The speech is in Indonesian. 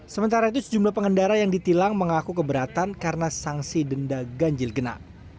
sementara itu sejumlah pengendara yang ditilang mengaku keberatan karena sanksi denda ganjil genap